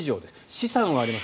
資産はあります。